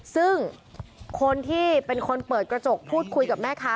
ซึ่งคนที่เป็นคนเปิดกระจกพูดคุยกับแม่ค้า